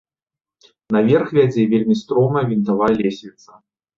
Наверх вядзе вельмі стромая вінтавая лесвіца.